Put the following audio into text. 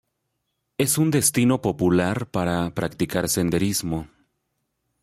Es un destino popular para practicar senderismo.